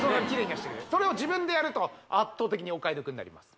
それを自分でやると圧倒的にお買い得になります